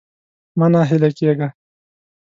مه ناهيلی کېږه.